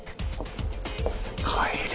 はい。